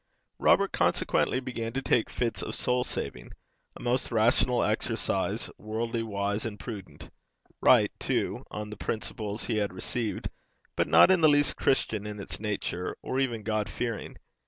Robert consequently began to take fits of soul saving, a most rational exercise, worldly wise and prudent right too on the principles he had received, but not in the least Christian in its nature, or even God fearing.